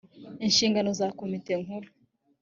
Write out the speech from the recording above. inshingano za komite nkuru